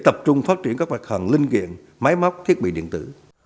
để tập trung phát triển các mặt hẳn linh kiện máy móc thiết bị điện tử